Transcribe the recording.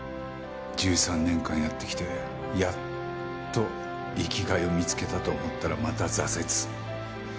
１３年間やってきてやっと生きがいを見つけたと思ったらまた挫折。